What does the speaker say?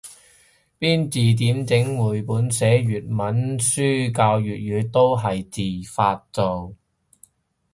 編字典整繪本寫粵文書教粵語都係自發做